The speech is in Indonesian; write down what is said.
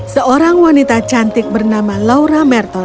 seorang wanita cantik bernama laura merton